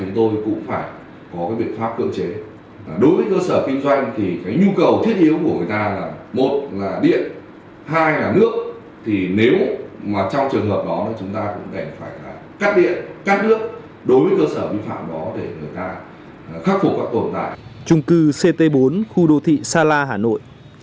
trung cư ct bốn khu đô thị sa la hà nội